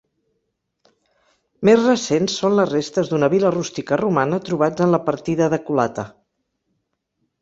Més recents són les restes d'una vila rústica romana trobats en la partida de Colata.